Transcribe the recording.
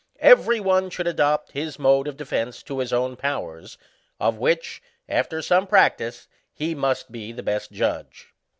Every one should adopt his mode of defence to his own powers ; of which, after some practice he must be the best judge.